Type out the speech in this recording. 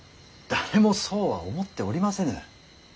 誰もそうは思っておりませぬ。